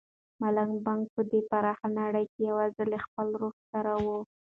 ملا بانګ په دې پراخه نړۍ کې یوازې له خپل روح سره و.